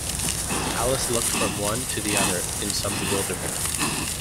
Alice looked from one to the other in some bewilderment.